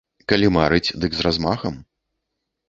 Калі марыць, дык з размахам.